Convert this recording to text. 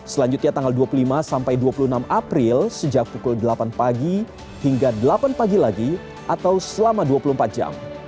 selanjutnya tanggal dua puluh lima sampai dua puluh enam april sejak pukul delapan pagi hingga delapan pagi lagi atau selama dua puluh empat jam